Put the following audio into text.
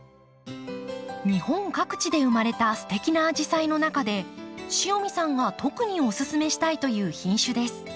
日本各地で生まれたすてきなアジサイの中で塩見さんが特にお勧めしたいという品種です。